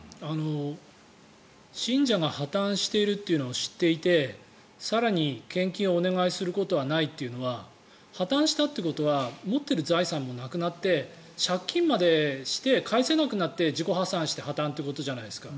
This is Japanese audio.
信者が破たんしているというのを知っていて更に献金をお願いすることはないということは破たんしたということは持っている財産もなくなって借金までして返せなくなって自己破産して破たんということじゃないですか。